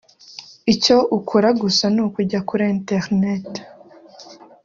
icyo ukora gusa ni ukujya kuri internet